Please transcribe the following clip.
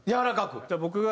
じゃあ僕が。